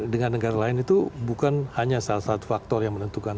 dengan negara lain itu bukan hanya salah satu faktor yang menentukan